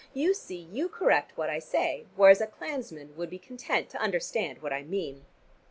"You see you correct what I say, whereas a clansman would be content to understand what I mean."